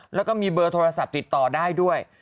แล้วก็มีเบอร์โทรศัพท์ติดต่อได้ด้วย